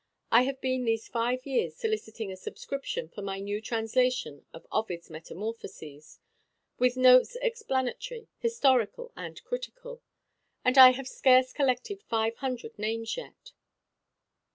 I have been these five years soliciting a subscription for my new translation of Ovid's Metamorphoses, with notes explanatory, historical, and critical; and I have scarce collected five hundred names yet."